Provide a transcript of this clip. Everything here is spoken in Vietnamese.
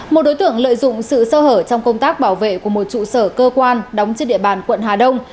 một đối tượng lợi dụng sự sơ hở trong công tác bảo vệ của một trụ sở cơ quan đóng trên địa bàn quận hà đông